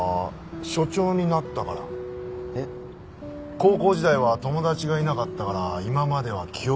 高校時代は友達がいなかったから今までは気後れしてた。